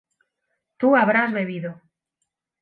tu habrás bebido